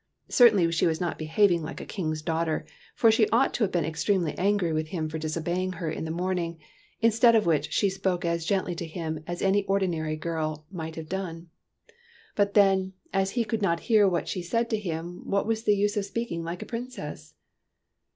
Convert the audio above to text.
Certainly she was not behaving like a King's daughter, for she ought to have been extremely angry with him for disobeying her in the morning, instead of which she spoke as gently to him as any ordinary little girl might '•» no TEARS OF PRINCESS PRUNELLA have done. But then, as he could not hear what she said to him, what was the use of speaking like a princess